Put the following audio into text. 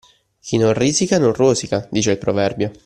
Chi non risica non rosica dice il proverbio.